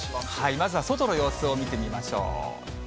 まずは外の様子を見てみましょう。